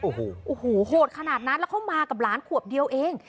โอ้โหโหดขนาดนั้นแล้วเขามากับหลานขวบเดียวเอง